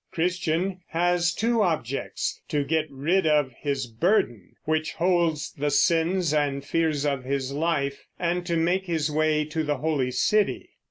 Christian has two objects, to get rid of his burden, which holds the sins and fears of his life, and to make his way to the Holy City.